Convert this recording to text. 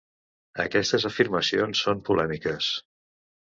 Aquestes afirmacions són polèmiques.